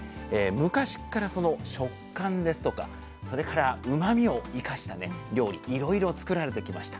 昔からその食感ですとかそれからうまみを生かした料理いろいろ作られてきました。